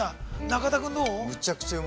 中田君、どう？